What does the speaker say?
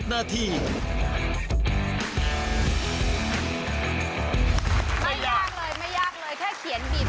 ไม่ยากเลยแค่เขียนบีบ